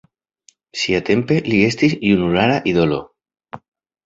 Siatempe li estis junulara idolo.